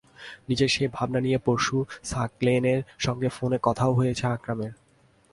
নিজের সেই ভাবনা নিয়ে পরশু সাকলায়েনের সঙ্গে ফোনে কথাও হয়েছে আকরামের।